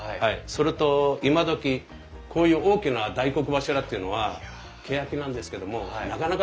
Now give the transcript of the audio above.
それと今どきこういう大きな大黒柱っていうのはけやきなんですけどもなかなかないんですね。